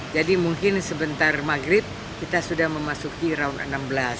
jadi mungkin sebentar maghrib kita sudah memasuki round enam belas